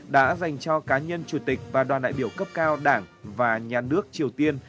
đã dành cho cá nhân chủ tịch và đoàn đại biểu cấp cao đảng và nhà nước triều tiên